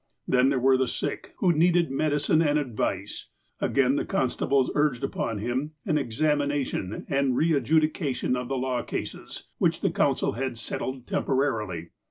Then there were the sick, who needed medicine and advice. Again, the constables urged upon him an examination and readjudication of the law cases, which the council had settled temporarily.